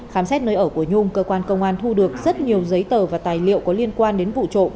khám xét nơi ở của nhung cơ quan công an thu được rất nhiều giấy tờ và tài liệu có liên quan đến vụ trộm